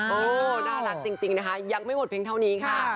น่ารักจริงนะคะยังไม่หมดเพียงเท่านี้ค่ะ